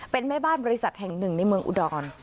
เป็นแม่บ้านบริษัทแห่งหนึ่งในเมืองอุดร